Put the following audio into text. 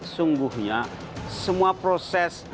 sungguhnya semua proses